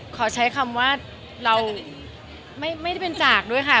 ขอใช้คำว่าเราไม่ได้เป็นจากด้วยค่ะ